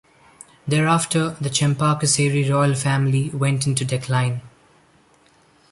Thereafter, the Chempakasseri royal family went into decline.